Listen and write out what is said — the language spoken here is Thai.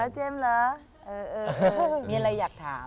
แล้วเจมส์ละมีอะไรอยากถาม